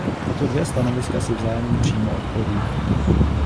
Tato dvě stanoviska si vzájemně přímo odporují.